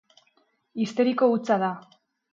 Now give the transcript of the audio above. Histeriko hutsa da.